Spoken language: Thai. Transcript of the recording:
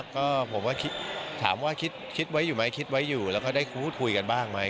ก็ผมก็ถามว่าคิดไว้อยู่ไหมคิดไว้อยู่แล้วก็ได้พูดคุยกันบ้างไหม